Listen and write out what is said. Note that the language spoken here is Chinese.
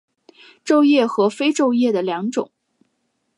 皱叶和非皱叶的两种。